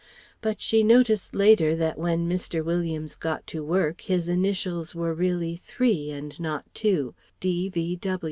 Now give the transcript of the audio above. But she noticed later that when Mr. Williams got to work his initials were really three and not two D.V.